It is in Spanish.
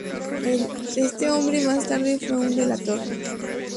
Este hombre, más tarde, fue un delator.